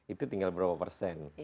itu tinggal berapa persen